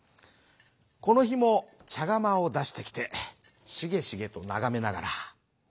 このひもちゃがまをだしてきてしげしげとながめながら。